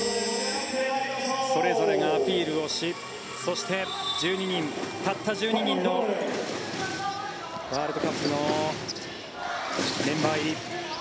それぞれがアピールをしそして１２人たった１２人のワールドカップのメンバー入り。